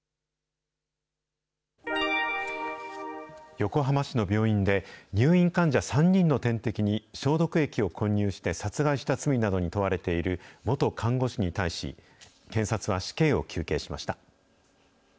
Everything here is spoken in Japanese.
横浜市の病院で、入院患者３人の点滴に消毒液を混入して殺害した罪などに問われている元看護師に対し、検察は死刑を求刑しました。